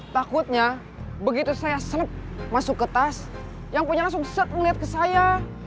takutnya begitu saya senep masuk ke tas yang punya langsung set melihat ke saya